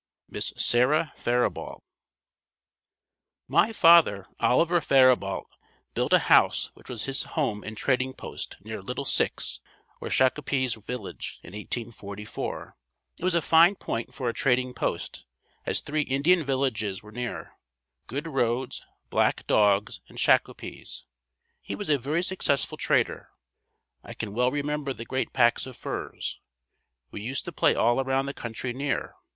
Miss Sara Faribault. My father, Oliver Faribault, built a house which was his home and trading post near "Little Six" or Shakopee's village in 1844. It was a fine point for a trading post, as three Indian villages were near; Good Roads, Black Dog's and Shakopee's. He was a very successful trader. I can well remember the great packs of furs. We used to play all around the country near.